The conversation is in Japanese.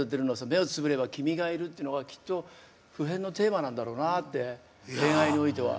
「目をつぶれば君がいる」ってのがきっと普遍のテーマなんだろうなって恋愛においては。